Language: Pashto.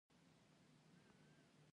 دا د چنګاښ شلمه نېټه ده.